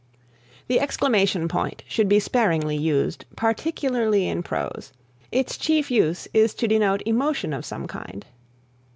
The Exclamation point should be sparingly used, particularly in prose. Its chief use is to denote emotion of some kind.